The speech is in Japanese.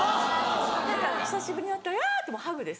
だから久しぶりに会ったら「あ！」ってハグです。